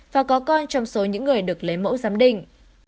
và có con trong số những người được lấy mẫu giám định